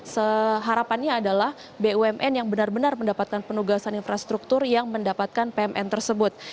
seharapannya adalah bumn yang benar benar mendapatkan penugasan infrastruktur yang mendapatkan pmn tersebut